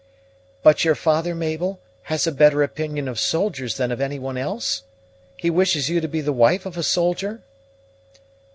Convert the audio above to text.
"But your father, Mabel, has a better opinion of soldiers than of any one else? he wishes you to be the wife of a soldier?"